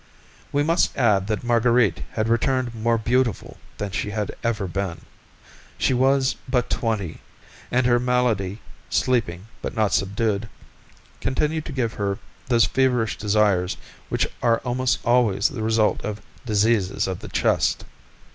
We must add that Marguerite had returned more beautiful than she had ever been; she was but twenty, and her malady, sleeping but not subdued, continued to give her those feverish desires which are almost always the result of diseases of the chest.